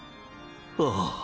ああ。